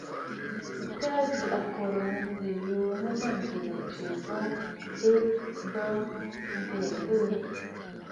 Nɨ̀ ka nzi akòrə̀ nɨzî yuu nɨ mânjì mɨ̀tsyɛ̀ bu bɨ bə̀ bɨ abɛɛ.